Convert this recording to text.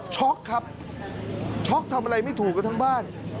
ช็อกครับช็อกทำอะไรไม่ถูกกันทั้งบ้าน